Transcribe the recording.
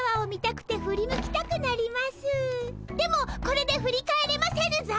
でもこれで振り返れませぬぞ！